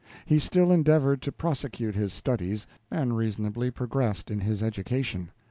He still endeavored to prosecute his studies, and reasonably progressed in his education.